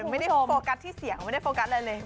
ไม่ได้โฟกัสที่เสียงไม่ได้โฟกัสอะไรเลย